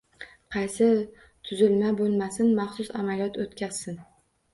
Qaysi tuzilma boʻlmasin, maxsus amaliyot oʻtkazsin